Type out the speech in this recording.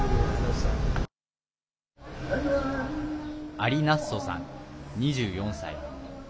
アリ・ナッソさん、２４歳。